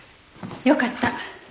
よかった。